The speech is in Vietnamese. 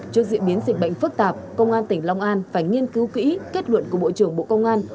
trước diễn biến dịch bệnh phức tạp công an tỉnh long an phải nghiên cứu kỹ kết luận của bộ trưởng bộ công an